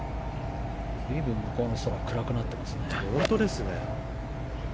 随分、向こうの空が暗くなってますね。